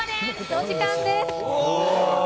お時間です。